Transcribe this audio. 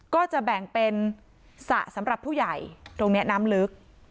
ก็จะแบ่งเป็นสระสำหรับผู้ใหญ่ตรงนี้น้ำลึก